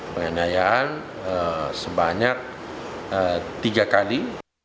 penganiayaan sebanyak tiga kali